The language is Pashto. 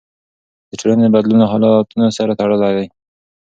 د ټولنې بدلون له حالتونو سره تړلی دی.